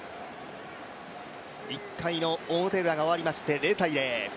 １回の表ウラが終わりまして０−０。